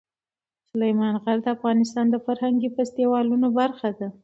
سلیمان غر د افغانستان د فرهنګي فستیوالونو برخه ده.